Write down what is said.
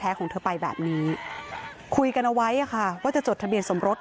ของเธอไปแบบนี้คุยกันเอาไว้ค่ะว่าจะจดทะเบียนสมรส